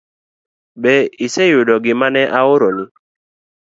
Be iseyudo gimane aoroni?